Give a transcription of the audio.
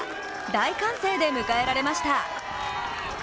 大歓声で迎えられました。